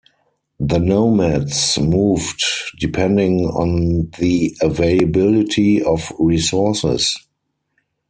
The nomads moved depending on the availability of resources.